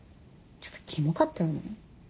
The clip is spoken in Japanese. ちょっとキモかったよね。